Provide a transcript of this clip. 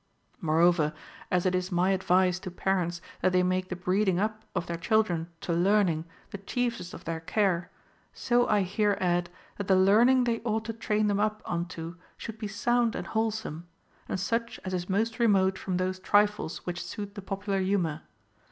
Moreover, as it is my advice to parents that they make the breeding up of their children to learning the chiefest of their care, so I here add, that the learning they ought to train them up unto should be sound and wholesome, and such as is most remote from those trifles wliich suit the popular humor.